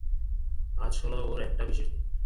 আজ হল ওর একটা বিশেষ দিন।